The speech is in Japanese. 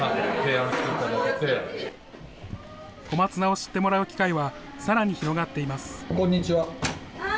知ってもらう機会はさらに広がっています。